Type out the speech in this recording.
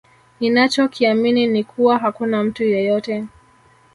Ninacho kiamini ni kuwa hakuna mtu yeyote